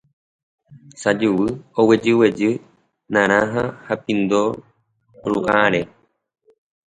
sajuguy oguejyguejy narãha ha pindo ru'ãre